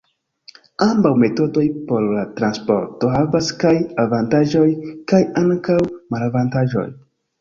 Ambaŭ metodoj por la transporto havas kaj avantaĝoj kaj ankaŭ malavantaĝoj.